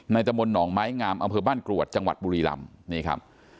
ตะมนตหนองไม้งามอำเภอบ้านกรวดจังหวัดบุรีลำนี่ครับ